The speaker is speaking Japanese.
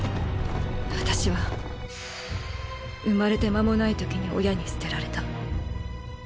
私は生まれて間もない時に親に捨てられた。